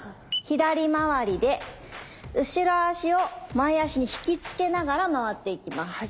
左回りで後ろ足を前足に引き付けながら回っていきます。